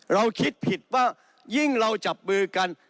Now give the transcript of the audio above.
เราคิดผิดว่ายิ่งเราจับมือกัน